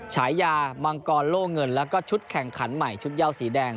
ฉายามังกรโล่เงินแล้วก็ชุดแข่งขันใหม่ชุดเย่าสีแดง